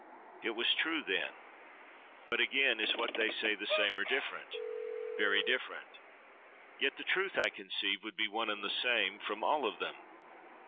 —It was true, then. But again, is what they say the same or different? —Very different. —Yet the truth, I conceive, would be one and the same, from all of them.